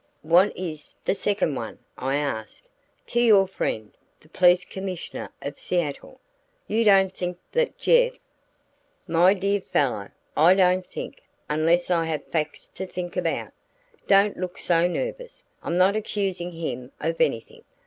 "What is the second one?" I asked. "To your friend, the police commissioner of Seattle." "You don't think that Jeff ?" "My dear fellow, I don't think, unless I have facts to think about. Don't look so nervous; I'm not accusing him of anything.